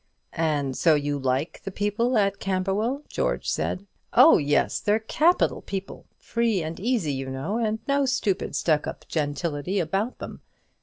"And so you like the people at Camberwell?" George said. "Oh yes, they're capital people; free and easy, you know, and no stupid stuck up gentility about them.